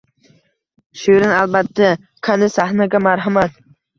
Shirin: albatta, kani sahnaga marhamat